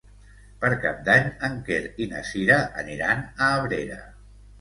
Per Cap d'Any en Quer i na Sira aniran a Abrera.